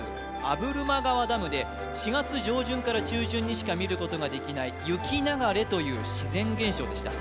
破間川ダムで４月上旬から中旬にしか見ることができない雪流れという自然現象でした